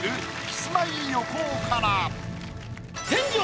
キスマイ横尾から。